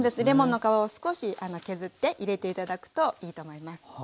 レモンの皮を少し削って入れて頂くといいと思います。